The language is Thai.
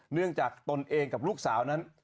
เนื่องจากตนเองกับลูกสาวนั้น